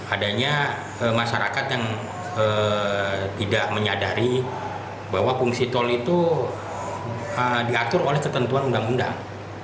adanya masyarakat yang tidak menyadari bahwa fungsi tol itu diatur oleh ketentuan undang undang